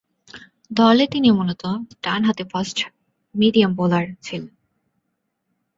দলে তিনি মূলতঃ ডানহাতি ফাস্ট-মিডিয়াম বোলার ছিলেন।